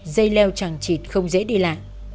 dây leo chằng chịt không dễ đi lạ